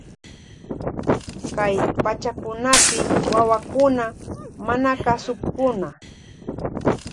Kay pachakunapi wawakuna manakasukkuna.